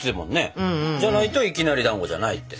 じゃないといきなりだんごじゃないって。